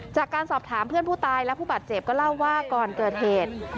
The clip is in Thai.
จากการสอบถามเพื่อนผู้ตายและผู้บาดเจ็บก็เล่าว่าก่อนเกิดเหตุ